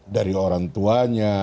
dari orang tuanya